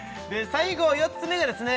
最後４つ目がですね